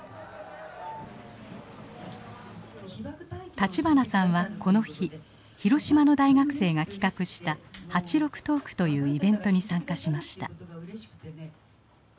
立花さんはこの日広島の大学生が企画した「はちろくトーク」というイベントに参加しました。